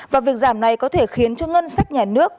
và việc giảm này có thể khiến cho ngân sách nhà nước